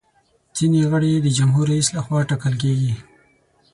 ځینې غړي یې د جمهور رئیس لخوا ټاکل کیږي.